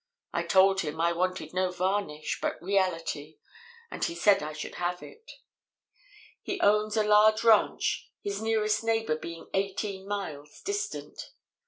I told him I wanted no varnish, but reality; and he said I should have it. "He owns a large ranch, his nearest neighbor being eighteen miles distant.